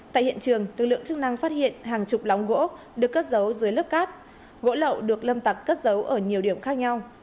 tại hiện trường lực lượng chức năng phát hiện hàng chục lóng gỗ được cất giấu dưới lớp cát gỗ lậu được lâm tặc cất giấu ở nhiều điểm khác nhau